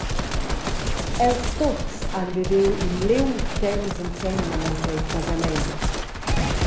Els tuts han viviu in liung temps ensemen en quei casament.